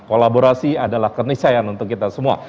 kolaborasi adalah kenisayaan untuk kita semua